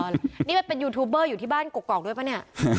นี่มันเป็นยูทูบเบอร์อยู่ที่บ้านกกอกด้วยป่ะเนี่ย